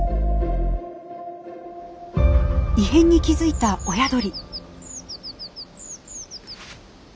異変に気付いた親鳥。